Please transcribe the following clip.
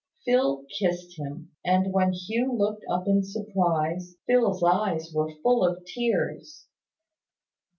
Phil kissed him: and when Hugh looked up in surprise, Phil's eyes were full of tears.